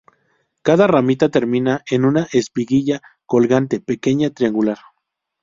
Cada ramita termina en una espiguilla colgante, pequeña, triangular.